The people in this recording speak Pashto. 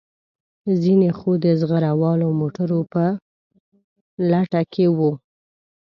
ځینې خو د زغره والو موټرو په لټه کې وو.